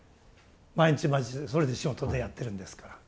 毎日毎日それで仕事でやってるんですから。